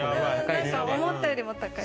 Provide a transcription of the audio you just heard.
思ったよりも高い。